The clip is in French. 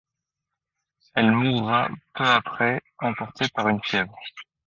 Elle mourra peu après, emportée par une fièvre.